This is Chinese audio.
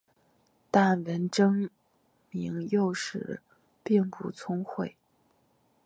但文征明幼时并不聪慧。